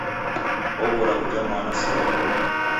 Oghora uja mwana siwape ungi.